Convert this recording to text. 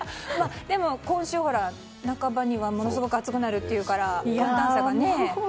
でも、今週半ばにはものすごく暑くなるっていうから寒暖差がね。